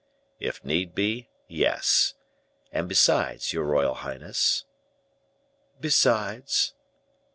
"If need be, yes. And besides, your royal highness " "Besides?"